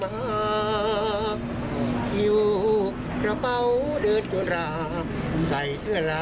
ฝากพี่น้องแฟนเพลงทางช่องไทยรัฐ๓๐๐นะครับ